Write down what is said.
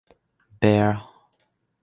Bair.